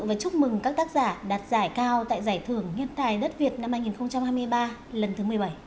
và chúc mừng các tác giả đạt giải cao tại giải thưởng nhân tài đất việt năm hai nghìn hai mươi ba lần thứ một mươi bảy